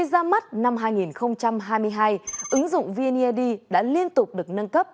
sao mắt năm hai nghìn hai mươi hai ứng dụng vned đã liên tục được nâng cấp